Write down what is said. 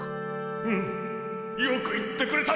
うんよく言ってくれた！